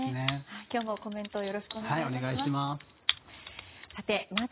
今日もコメントよろしくお願いします。